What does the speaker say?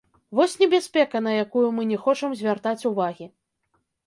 Вось небяспека, на якую мы не хочам звяртаць увагі.